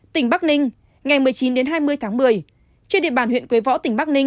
tỉnh bắc ninh ngày một mươi chín hai mươi tháng một mươi trên địa bàn huyện quế võ tỉnh bắc ninh